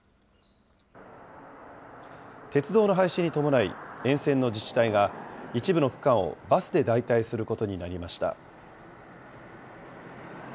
鉄道の廃止に伴い、沿線の自治体が一部の区間をバスで代替することになりました。